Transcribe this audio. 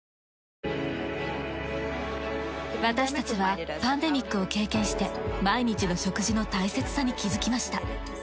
私たちはパンデミックを経験して毎日の食事の大切さに気づきました。